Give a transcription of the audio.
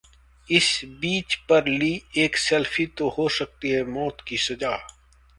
इस बीच पर ली एक सेल्फी तो हो सकती है मौत की सजा!